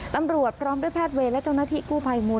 ตำรวจพร้อมด้วยแพทย์เวรและเจ้าหน้าที่กู้ภัยมูล